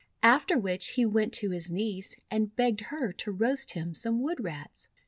After which he went to his niece and begged her to roast him some Wood Rats.